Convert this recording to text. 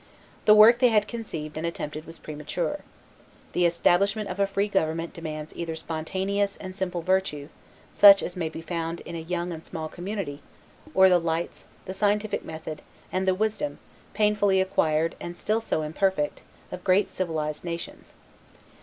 The work they had conceived and attempted was premature. The establishment of a free government demands either spontaneous and simple virtues, such as may be found in a young and small community, or the lights, the scientific method, and the wisdom, painfully acquired and still so imperfect, of great and civilized nations.